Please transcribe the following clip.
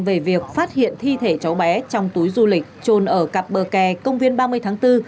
về việc phát hiện thi thể cháu bé trong túi du lịch trôn ở cặp bờ kè công viên ba mươi tháng bốn